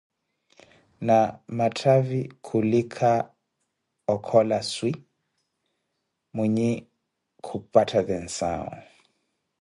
na mathavi khulika okhola swi mwinhe khumpatha tensau